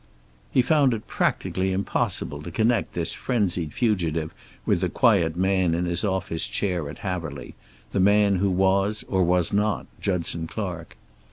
He found it practically impossible to connect this frenzied fugitive with the quiet man in his office chair at Haverly, the man who was or was not Judson Clark.